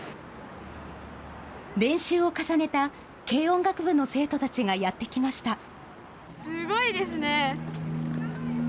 練習を重ねた軽音楽部の生徒たちがやって来ました。